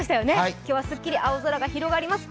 今日はすっきり青空が広がります。